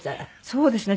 そうですね。